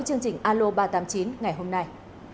chương trình alo ba trăm tám mươi chín ngày hôm nay